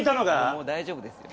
もう大丈夫ですよ。